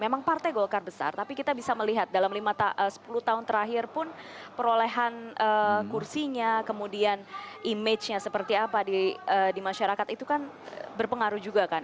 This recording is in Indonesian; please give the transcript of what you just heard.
memang partai golkar besar tapi kita bisa melihat dalam sepuluh tahun terakhir pun perolehan kursinya kemudian image nya seperti apa di masyarakat itu kan berpengaruh juga kan